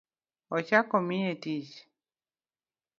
Ochako omiye tich